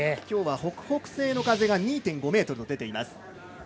今日は北北西の風が２．５メートルと出ています。